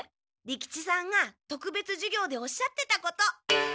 利吉さんがとくべつ授業でおっしゃってたこと。